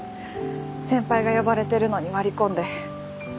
先輩が呼ばれてるのに割り込んで。